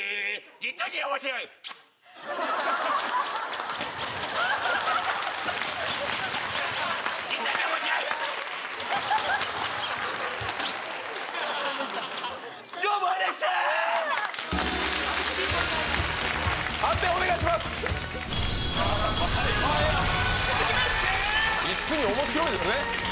実に面白いですね